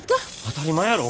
当たり前やろ。